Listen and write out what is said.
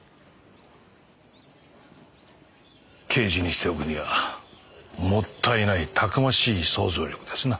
刑事にしておくにはもったいないたくましい想像力ですな。